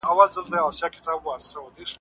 تاسو بايد د تاريخ له تېروتنو څخه درس واخلئ.